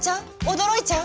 驚いちゃう？